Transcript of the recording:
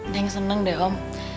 neng seneng deh om